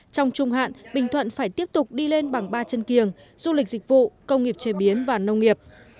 trong trung hạn bình thuận phải tiếp tục đi lên bằng ba chân kiềng du lịch dịch vụ công nghiệp chế biến và nông nghiệp